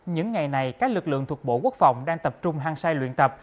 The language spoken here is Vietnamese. những ngày này các lực lượng thuộc bộ quốc phòng đang tập trung hăng sai luyện tập